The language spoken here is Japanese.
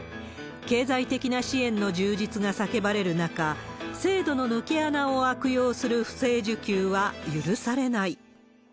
経済的な支援の充実が叫ばれる中、制度の抜け穴を悪用する不正受給は許されない。